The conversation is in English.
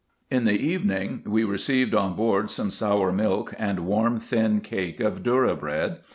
In the evening we received on board some sour milk, and warm thin cake of dhourra bread.